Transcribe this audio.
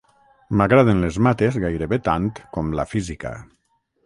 M'agraden les mates gairebé tant com la física